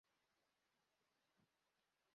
viazi lishe ni bora kwa wagonjwa wa kisukari